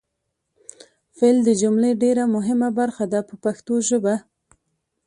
فعل د جملې ډېره مهمه برخه ده په پښتو ژبه.